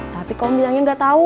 tapi kamu bilangnya gak tau